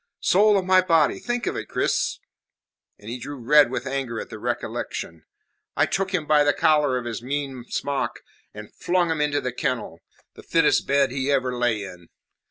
Soul of my body, think of it, Cris!" And he grew red with anger at the recollection. "I took him by the collar of his mean smock and flung him into the kennel the fittest bed he ever lay in.